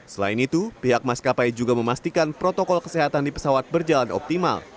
selain itu pihak maskapai juga memastikan protokol kesehatan di pesawat berjalan optimal